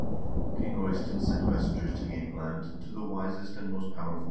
"King Eystein sent messengers to Jsemtland to the wisest and most powerful men," 1 P.